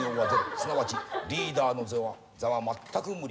すなわちリーダーの座はまったく無理。